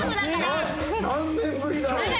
何年ぶりだろう？